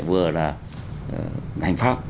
vừa là hành pháp